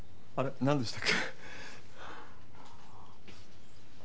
なんでしたっけ？